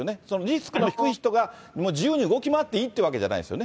そのリスクの低い人が、もう自由に動き回っていいってわけじゃな